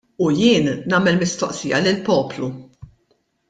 U jiena nagħmel mistoqsija lill-poplu.